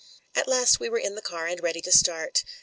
At last we were in the car and ready to start.